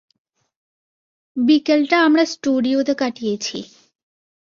বিকেলটা আমরা স্টুডিওতে কাটিয়েছি।